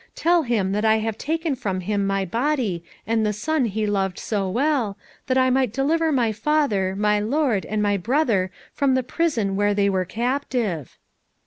Tell him that I have taken from him my body and the son he loved so well, that I might deliver my father, my lord, and my brother from the prison where they were captive."